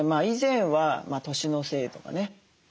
以前は年のせいとかね